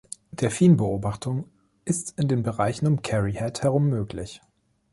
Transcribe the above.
Delphinbeobachtung ist in den Bereichen um Kerry Head herum möglich.